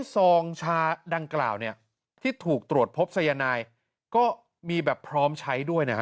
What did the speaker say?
ซองชาดังกล่าวเนี่ยที่ถูกตรวจพบสายนายก็มีแบบพร้อมใช้ด้วยนะฮะ